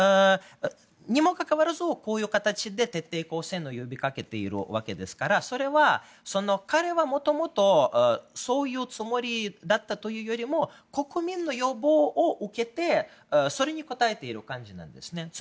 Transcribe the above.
にもかかわらず、こういう形で徹底抗戦を呼びかけているわけですから彼が元々、そういうつもりだったというよりも国民の要望を受けて、それに応えている感じなんですね。